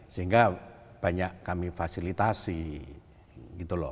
sehingga banyak kami fasilitasi gitu loh